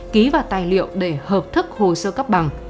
ký vào tài liệu để hợp thức hồ sơ cấp bằng